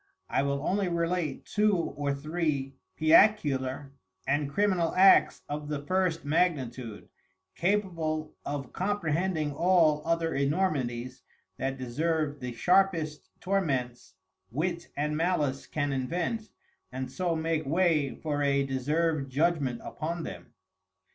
I will only relate Two or Three Piacular and Criminal Acts of the First Magnitude, capable of comprehending all other Enormities that deserve the sharpest Torments, Wit and Malice can invent, and so make way for a deserved Judgment upon them.